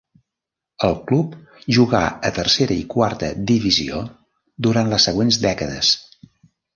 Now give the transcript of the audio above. El club jugà a tercera i quarta divisió durant les següents dècades.